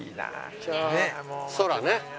「空」ね。